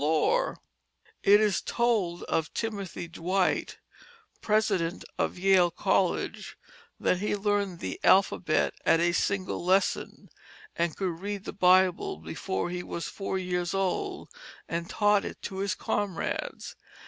[Illustration: Polly Flagg, One Year Old, 1751] It is told of Timothy Dwight, President of Yale College, that he learned the alphabet at a single lesson, and could read the Bible before he was four years old, and taught it to his comrades.